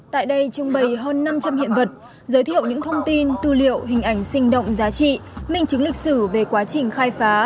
tại đây trưng bày hơn năm trăm linh hiện vật giới thiệu những thông tin tư liệu hình ảnh sinh động giá trị minh chứng lịch sử về quá trình khai phá